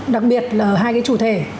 đặc biệt là hai cái chủ thể